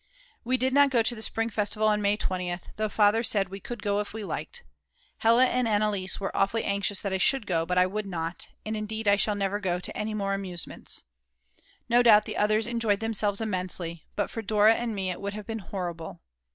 We did not go to the spring festival on May 20th, though Father said we could go if we liked. Hella and Anneliese were awfully anxious that I should go; but I would not, and indeed I shall never go to any more amusements. No doubt the others enjoyed themselves immensely, but for Dora and me it would have been horrible.